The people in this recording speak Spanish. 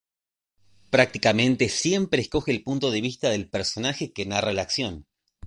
Prácticamente siempre escoge el punto de vista del personaje que narra la acción.